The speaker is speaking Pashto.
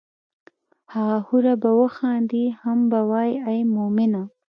هغه حوره به وخاندي هم به وائي ای مومنه!